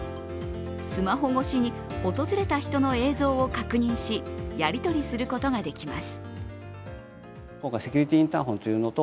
スマホ越しに訪れた人の映像を確認し、やり取りすることができます。